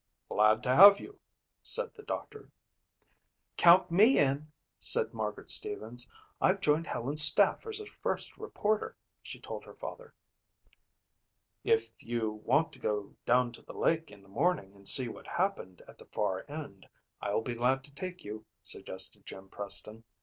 "Glad to have you," said the doctor. "Count me in," said Margaret Stevens. "I've joined Helen's staff as her first reporter," she told her father. "If you want to go down the lake in the morning and see what happened at the far end I'll be glad to take you," suggested Jim Preston.